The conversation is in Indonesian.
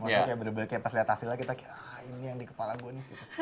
maksudnya kayak bener bener kayak pas lihat hasilnya kita kayak ah ini yang di kepala gue nih